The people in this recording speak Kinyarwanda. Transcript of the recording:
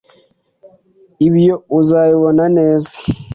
ibyo uzabibona neza.